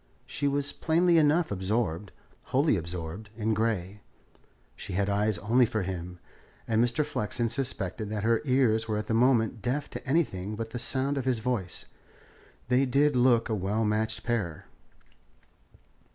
She was plainly enough absorbed, wholly absorbed, in Grey. She had eyes only for him, and Mr. Flexen suspected that her ears were at the moment deaf to everything but the sound of his voice. They did look a well matched pair.